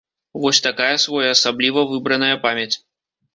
Вось такая своеасабліва выбраная памяць.